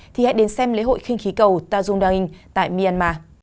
thì hãy đến xem lễ hội khinh khí cầu ta giao đa nghìn tại myanmar